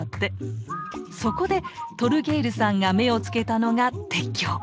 そこでトルゲイルさんが目を付けたのが鉄橋。